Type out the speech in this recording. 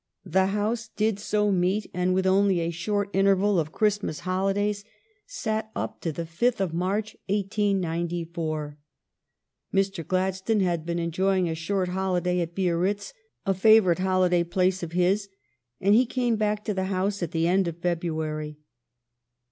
The House did so meet, and, with only a short interval of Christmas holidays, sat up to the fifth of March, 1894. Mr. Gladstone had been enjoying a short holiday at Biarritz, a favorite holiday place of his, and he came back to the House at the end of February.